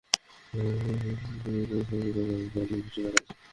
এক-চতুর্থাংশের বেশি শিশু বলেছে, কাজ করতে গিয়ে তারা নানা দুর্ঘটনার শিকার হয়েছে।